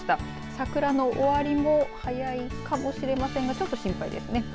桜の終わりも早いかもしれませんがちょっと心配ですね。